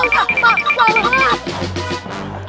aduh aduh aduh